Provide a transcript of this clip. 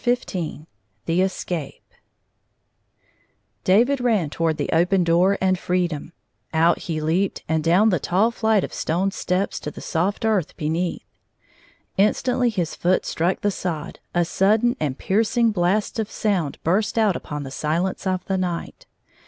ff7 XV The Escape DAVID ran toward the open door and freedom. Out he leaped and down the tall flight of stone steps to the soft earth beneath. Instantly his foot struck the sod, a sudden and piercing blast of sound burst out upon the silence of the night.